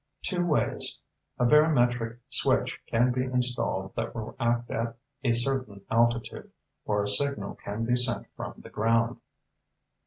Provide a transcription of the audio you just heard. "Two ways. A barometric switch can be installed that will act at a certain altitude, or a signal can be sent from the ground."